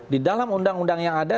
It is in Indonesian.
di dalam undang undang yang ada